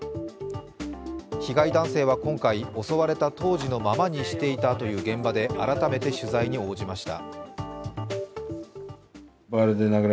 被害男性は今回、襲われた当時のままにしていたという現場で改めて取材に応じました。